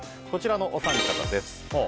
こちらのお三方です。